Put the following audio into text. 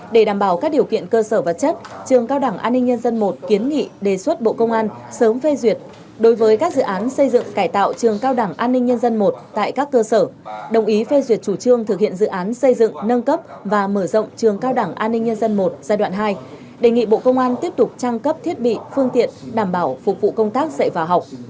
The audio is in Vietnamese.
để đảm bảo các điều kiện cơ sở vật chất trường cao đẳng an ninh nhân dân i kiến nghị đề xuất bộ công an sớm phê duyệt đối với các dự án xây dựng cải tạo trường cao đẳng an ninh nhân dân i tại các cơ sở đồng ý phê duyệt chủ trương thực hiện dự án xây dựng nâng cấp và mở rộng trường cao đẳng an ninh nhân dân i giai đoạn hai đề nghị bộ công an tiếp tục trang cấp thiết bị phương tiện đảm bảo phục vụ công tác dạy và học